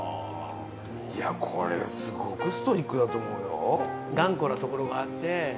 いやこれすごくストイックだと思うよ。